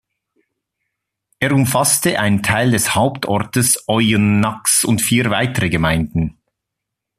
Er umfasste einen Teil des Hauptortes Oyonnax und vier weitere Gemeinden.